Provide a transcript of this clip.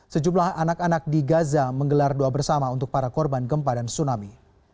sejumlah anak anak di gaza menggelar doa bersama untuk para korban gempa dan tsunami